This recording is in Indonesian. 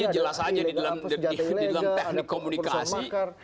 jelas aja di dalam teknik komunikasi